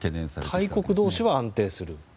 大国同士は安定する。